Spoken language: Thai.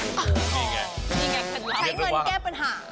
ใช้เงินแก้ปัญหา